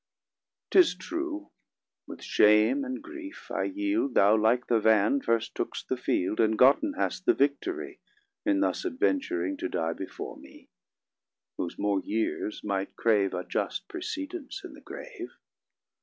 'Tis true, with shame and grief I yield, Thou, like the van, first took'st the field, And gotten hast the victory, In thus adventuring to die Before me, whose more years might crave A just precedence in the grave.